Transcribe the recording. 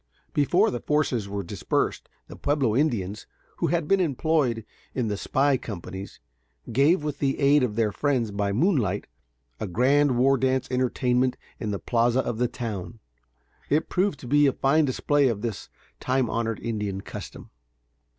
Before the forces were dispersed, the Pueblo Indians, who had been employed in the spy companies, gave, with the aid of their friends, by moonlight, a grand war dance entertainment in the plaza of the town. It proved a fine display of this time honored Indian custom.